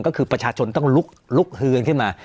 ก็คือประชาชนต้องลุกเฮือนขึ้นมา